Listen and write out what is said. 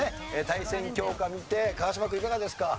対戦教科見て川島君いかがですか？